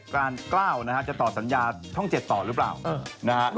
การกล้าวนะฮะจะต่อสัญญาช่อง๗ต่อหรือเปล่านะฮะ